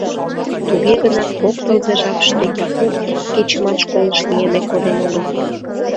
Туге гынат кок тылзе жапыште Яку ик кечымат школыш мийыде коден огыл.